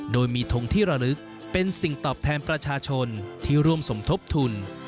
โดยมีทงที่ระลึกเป็นสิ่งตอบแทนประชาชนที่ร่วมสมทบทุน